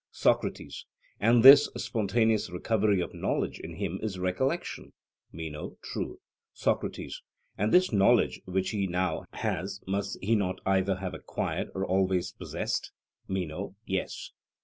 SOCRATES: And this spontaneous recovery of knowledge in him is recollection? MENO: True. SOCRATES: And this knowledge which he now has must he not either have acquired or always possessed? MENO: Yes.